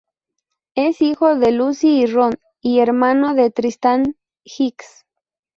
Es hijo de Lucy y Ron, y hermano de Tristán Hicks.